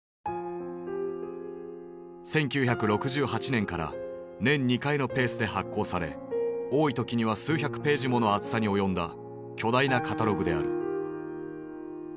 １９６８年から年２回のペースで発行され多い時には数百ページもの厚さに及んだ巨大なカタログである。